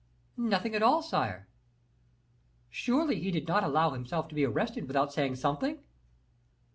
"Nothing at all, sire." "Surely he did not allow himself to be arrested without saying something?"